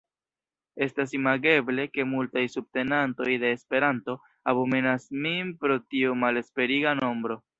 Estas imageble, ke multaj subtenantoj de Esperanto abomenas min pro tiu malesperiga nombro.